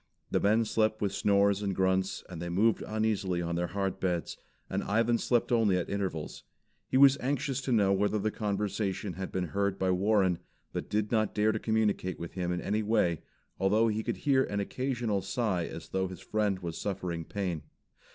The men slept with snores and grunts an they moved uneasily on their hard beds, and Ivan slept only at intervals. He was anxious to know whether the conversation had been heard by Warren, but did not dare to communicate with him in any way, although he could hear an occasional sigh as though his friend was suffering pain.